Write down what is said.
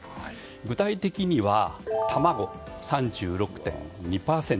具体的には、卵が３６．２％